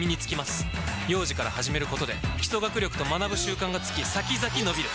幼児から始めることで基礎学力と学ぶ習慣がつき先々のびる！